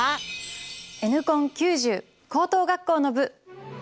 「Ｎコン９０」高等学校の部。